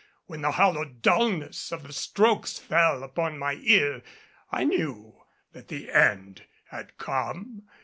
When the hollow dulness of the strokes fell upon my ear, I knew that the end had come.